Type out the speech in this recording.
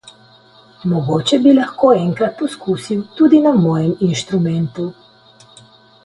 Mogoče bi lahko enkrat poskusil tudi na mojem inštrumentu.